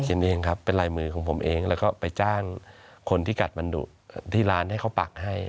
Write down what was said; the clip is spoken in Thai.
เองครับเป็นลายมือของผมเองแล้วก็ไปจ้างคนที่กัดบรรดุที่ร้านให้เขาปักให้